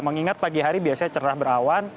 mengingat pagi hari biasanya cerah berawan